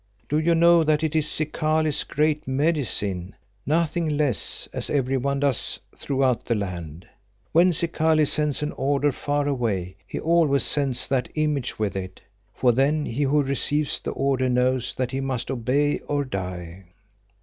Do you know that it is Zikali's Great Medicine, nothing less, as everyone does throughout the land? When Zikali sends an order far away, he always sends that image with it, for then he who receives the order knows that he must obey or die.